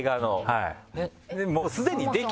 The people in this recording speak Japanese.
はい。